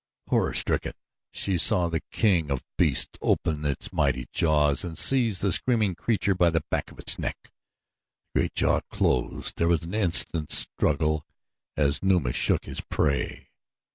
Horror stricken, she saw the king of beasts open his mighty jaws and seize the screaming creature by the back of its neck. The great jaws closed, there was an instant's struggle as Numa shook his prey.